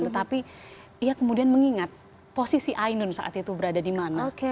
tetapi ia kemudian mengingat posisi ainun saat itu berada di mana